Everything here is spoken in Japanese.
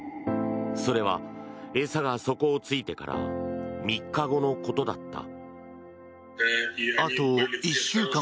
それは餌が底を突いてから３日後のことだった。